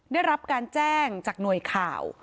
ได้รับการแจ้งจากหน่วยข่าว